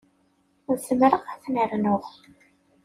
Zemreɣ ad ten-rnuɣ.